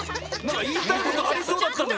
いいたいことありそうだったのに。